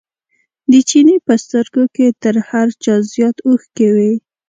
د چیني په سترګو کې تر هر چا زیات اوښکې وې.